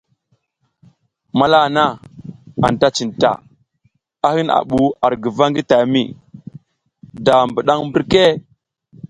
Manal haha anta cinta, a hin a bu ar guva ngi tami, da bidang mbirke?